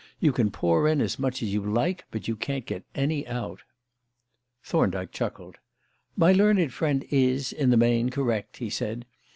You can pour in as much as you like, but you can't get any out." Thorndyke chuckled. "My learned friend is, in the main, correct," he said.